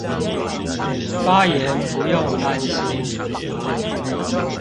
發言不用擔心